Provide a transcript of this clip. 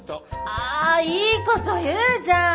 あいいこと言うじゃん。